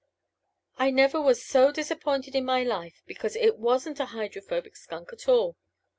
I never was so disappointed in my life because it wasn't a Hydrophobic Skunk at all.